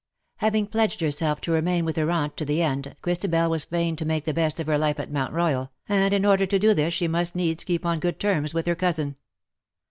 Having pledged herself to remain with her aunt to the end, Christabel was fain to make the best of her life at Mount Royal, and in order to do this she must needs keep on good terms with her cousin.